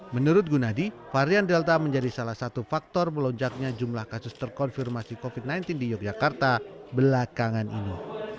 menurut gunadi varian delta menjadi salah satu faktor melonjaknya jumlah kasus terkonfirmasi covid sembilan belas di yogyakarta belakangan ini